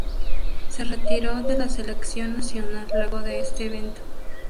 Se retiró de la Selección nacional luego de este evento.